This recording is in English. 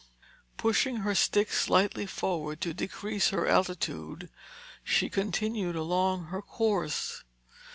Pushing her stick slightly forward to decrease her altitude, she continued along her course.